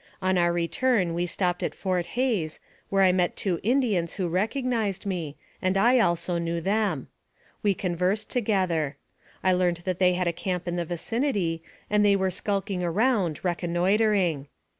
On our return we stopped at Fort Hays, where I met two Indians who recognized me, and I also knew them. We conversed together. I learned they had a camp in the vicinity, and they were skulking around, reconnoitering.